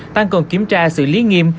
tăng cường kiểm tra xử lý nghiêm